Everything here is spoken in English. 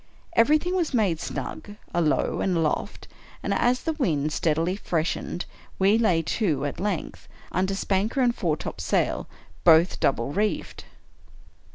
Everything was made snug, alow and aloft; and as the wind steadily freshened, we lay to, at length, under spanker and foretopsail, both double reefed.